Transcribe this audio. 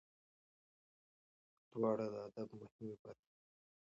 دواړه د ادب مهمې برخې دي.